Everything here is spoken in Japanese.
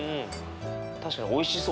確かにおいしそう。